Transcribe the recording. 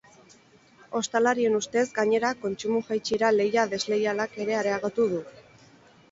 Ostalarien ustez, gainera, kontsumo jaitsiera lehia desleialak ere areagotu du.